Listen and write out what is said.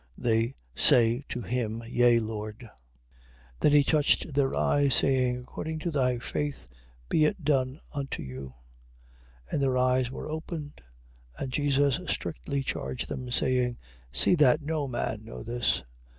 They say to him, Yea, Lord. 9:29. Then he touched their eyes, saying, According to your faith, be it done unto you. 9:30. And their eyes were opened, and Jesus strictly charged them, saying, See that no man know this.